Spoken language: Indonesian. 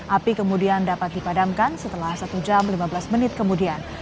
api kemudian dapat dipadamkan setelah satu jam lima belas menit kemudian